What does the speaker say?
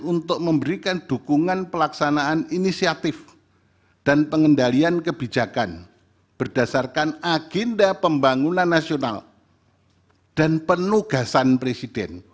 untuk memberikan dukungan pelaksanaan inisiatif dan pengendalian kebijakan berdasarkan agenda pembangunan nasional dan penugasan presiden